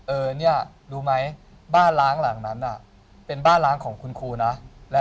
เออเนี่ยรู้ไหมบ้านล้างหลังนั้นน่ะเป็นบ้านล้างของคุณครูนะ